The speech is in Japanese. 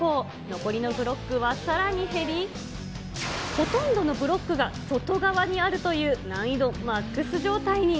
残りのブロックはさらに減り、ほとんどのブロックが外側にあるという難易度マックス状態に。